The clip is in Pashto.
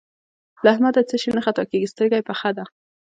له احمده څه شی نه خطا کېږي؛ سترګه يې پخه ده.